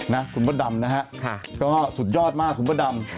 น่ะคุณบดดำนะฮะก็สุดยอดมากคุณบดดำ